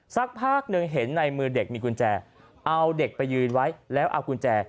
สักพักหนึ่งเห็นในมือเด็กมีกุญแจเอาเด็กไปยืนไว้แล้วเอากุญแจ